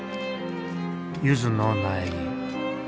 ゆずの苗木。